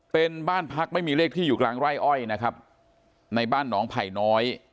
เป็นบ้านพักไม่มีเลขที่อยู่กลางไร่อ้อยนะครับในบ้านหนองไผ่น้อย